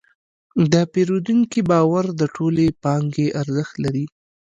د پیرودونکي باور د ټولې پانګې ارزښت لري.